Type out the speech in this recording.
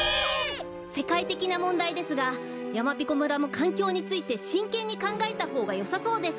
せかいてきなもんだいですがやまびこ村もかんきょうについてしんけんにかんがえたほうがよさそうです。